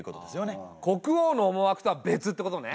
国王の思惑とは別ってことね。